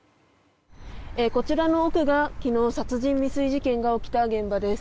こちらの奥が、昨日殺人未遂事件が起きた現場です。